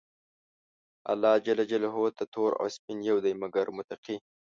الله ج ته تور او سپين يو دي، مګر متقي.